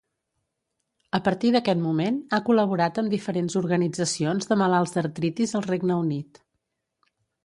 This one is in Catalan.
A partir d'aquest moment, ha col·laborat amb diferents organitzacions de malalts d'artritis al Regne Unit.